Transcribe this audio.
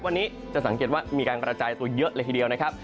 วันนี้จะสังเกตว่ามีการกระจายตัวเยอะเลยทีเดียวนะครับ